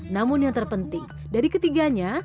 namun yang terpenting dari ketiganya